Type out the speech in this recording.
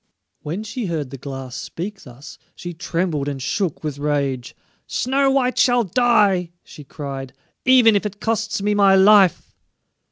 When she heard the Glass speak thus she trembled and shook with rage. "Snow white shall die," she cried, "even if it costs me my life!"